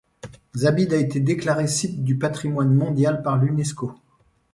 Zabid a été déclarée site du patrimoine mondial par l'Unesco.